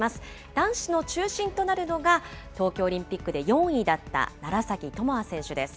男子の中心となるのが、東京オリンピックで４位だった楢崎智亜選手です。